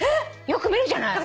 よく見るじゃない。